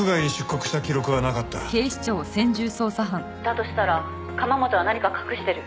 としたら釜本は何か隠してる」